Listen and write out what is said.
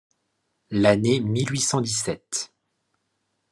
L’année mille huit cent dix-sept